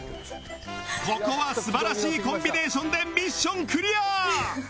ここは素晴らしいコンビネーションでミッションクリア！